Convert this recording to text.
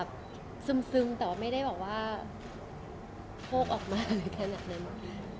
ก็มีแบบซึมแต่ไม่ได้บอกว่าโภกออกมาอะไรขนาดนั้น